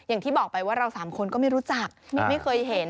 อย่างที่บอกไปว่าเราสามคนก็ไม่รู้จักไม่เคยเห็น